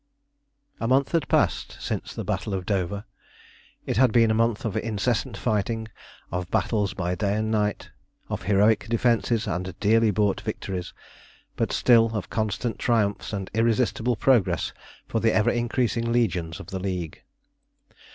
A month had passed since the battle of Dover. It had been a month of incessant fighting, of battles by day and night, of heroic defences and dearly bought victories, but still of constant triumphs and irresistible progress for the ever increasing legions of the League.